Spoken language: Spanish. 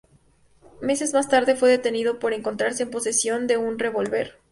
Meses más tarde fue detenido por encontrarse en posesión de un revólver.